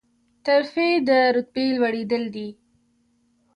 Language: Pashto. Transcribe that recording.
ترفیع د رتبې لوړیدل دي